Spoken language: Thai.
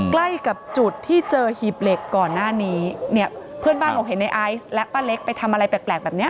ใกล้กับจุดที่เจอหีบเหล็กก่อนหน้านี้เนี่ยเพื่อนบ้านบอกเห็นในไอซ์และป้าเล็กไปทำอะไรแปลกแปลกแบบเนี้ย